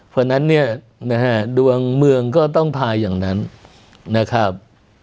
เพราะฉะนั้นเนี่ยนะฮะดวงเมืองก็ต้องพาอย่างนั้นนะครับ